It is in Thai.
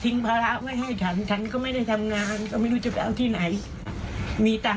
มีตังค์เท่าไหร่ก็ฝากไปซื้อยามา